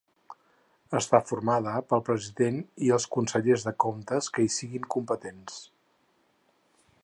Està formada pel President i els Consellers de Comptes que hi siguen competents.